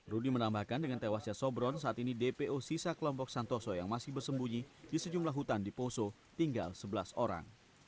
rudy menambahkan dengan tewasnya sobron saat ini dpo sisa kelompok santoso yang masih bersembunyi di sejumlah hutan di poso tinggal sebelas orang